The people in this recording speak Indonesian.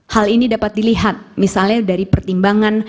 hal ini dapat dilihat misalnya dari pertimbangan